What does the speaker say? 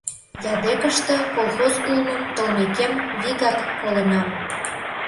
Ядекыште колхоз улмым толмекем вигак колынам.